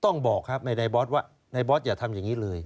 ต้องบอกครับในบอสว่านายบอสอย่าทำอย่างนี้เลย